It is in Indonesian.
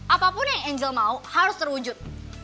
apapun yang angel mau harus terwujud